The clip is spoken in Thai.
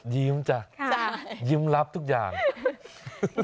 ยิ้มจ้ะยิ้มรับทุกอย่าง